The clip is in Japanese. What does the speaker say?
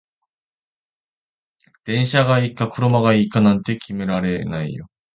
電車がいいか車がいいかなんて決められないよ